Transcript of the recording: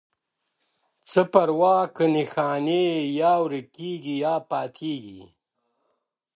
څه پروا که نښانې یې یا ورکیږي یا پاتیږي.